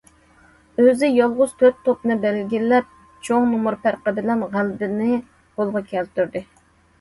ئۆزى يالغۇز تۆت توپنى بەلگىلەپ، چوڭ نومۇر پەرقى بىلەن غەلىبىنى قولغا كەلتۈردى.